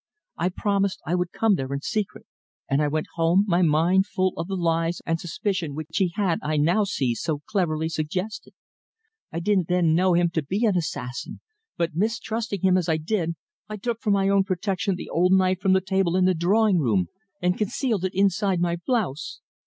I promised I would come there in secret, and I went home, my mind full of the lies and suspicion which he had, I now see, so cleverly suggested. I didn't then know him to be an assassin, but, mistrusting him as I did, I took for my own protection the old knife from the table in the drawing room, and concealed it inside my blouse.